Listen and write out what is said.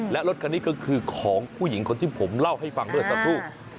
และรถคันนี้ก็คือของผู้หญิงคนที่ผมเล่าให้ฟังเมื่อสักครู่